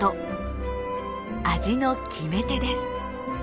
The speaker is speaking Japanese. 味の決め手です。